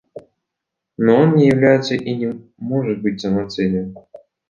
Но он не является и не может быть самоцелью.